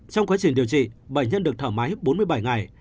trong quá trình điều trị bệnh nhân được thở máy bốn mươi bảy ngày